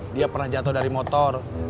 dia pernah jatuh dari motor